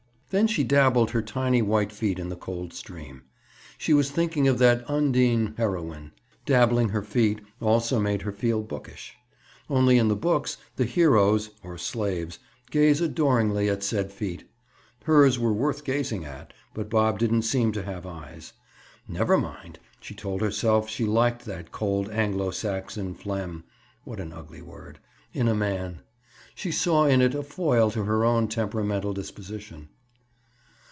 Then she dabbled her tiny white feet in the cold stream. She was thinking of that Undine heroine. Dabbling her feet, also made her feel bookish. Only in the books the heroes (or slaves) gaze adoringly at said feet. Hers were worth gazing at, but Bob didn't seem to have eyes. Never mind! She told herself she liked that cold Anglo Saxon phlegm (what an ugly word!) in a man. She saw in it a foil to her own temperamental disposition.